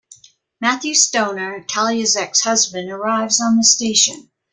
Matthew Stoner, Talia's ex-husband, arrives on the station.